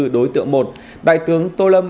đối tượng một đại tướng tô lâm